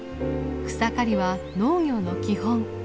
草刈りは農業の基本。